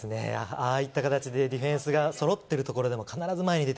ああいった形でディフェンスがそろってるところでも、必ず前に出